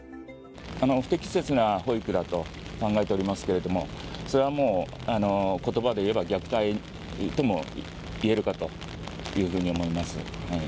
不適切な保育だと考えておりますけれども、それはもう、ことばで言えば虐待とも言えるかというふうに思います。